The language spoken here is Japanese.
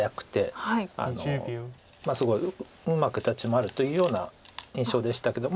あのすごいうまく立ち回るというような印象でしたけど。